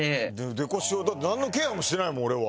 デコシワだってなんのケアもしてないもん俺は。